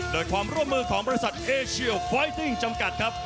โดยความร่วมมือของบริษัทเอเชียลควายติ้งจำกัดครับ